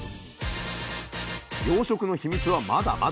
養殖のヒミツはまだまだ！